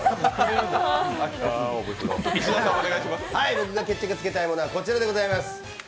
僕が決着つけたいものはこちらでございます。